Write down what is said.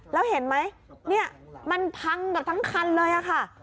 แล้วเห็นไหมเนี่ยมันพังเกือบทั้งคันเลยค่ะ